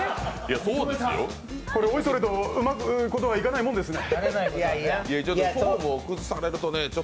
これ、おいそれと事はうまくいかないものですね。